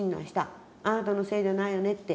あなたのせいじゃないよねって。